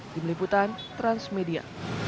tim liputan transmedia